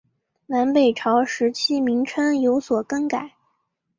南北朝时期名称有所更改。